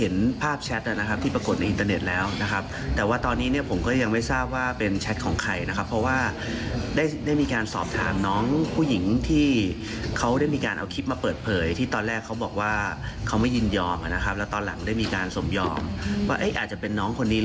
นะครับเรายังมีทีเด็ดที่เก็บเอาไว้ยังไม่ได้ใช้